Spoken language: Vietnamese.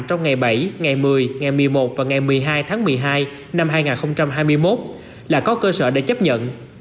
trong ngày bảy ngày một mươi ngày một mươi một và ngày một mươi hai tháng một mươi hai năm hai nghìn hai mươi một là có cơ sở để chấp nhận